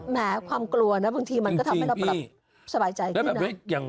แม้ความกลัวนะบางทีมันก็ทำให้เราสบายใจขึ้นนะ